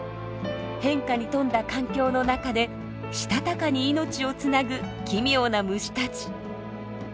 変化に富んだ環境の中でしたたかに命をつなぐ奇妙な虫たち。